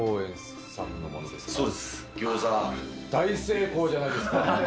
大成功じゃないですか。